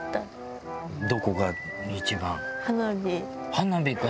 花火か。